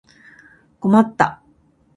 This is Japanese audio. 困った